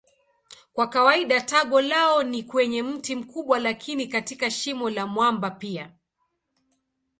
Kwa kawaida tago lao ni kwenye mti mkubwa lakini katika shimo la mwamba pia.